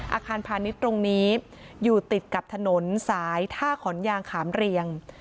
อาคารพาณิชย์ตรงนี้อยู่ติดกับถนนสายท่าขอนยางขามเรียง